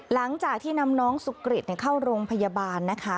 หลังจากที่นำน้องสุกริตเข้าโรงพยาบาลนะคะ